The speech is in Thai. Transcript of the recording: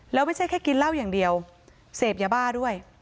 แล้วไม่ใช่แค่กินเหล้าอย่างเดียวเสพยาบ้าด้วย